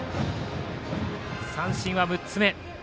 三振は６つ目。